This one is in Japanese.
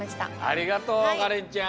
ありがとうカレンちゃん。